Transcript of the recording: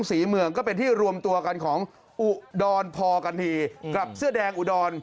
ศรีเมืองก็เป็นที่รวมตัวกันของอุดรพอกันทีกับเสื้อแดงอุดร